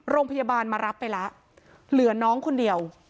โรงพยาบาลมารับไปแล้วเหลือน้องคนเดียว